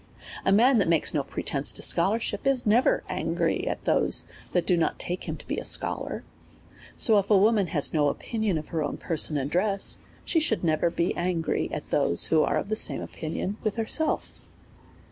A man that makes no pretence to scholarship, is never angry at those that do not take him to be a scholar : so if a woman had no opinion of h^r own DEVOUT AND HOLY LIFE. 255 person and dress, she would never be angry at those, who are of the same opinion with herself.